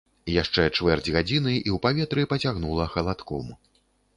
Яшчэ чвэрць гадзіны, і ў паветры пацягнула халадком.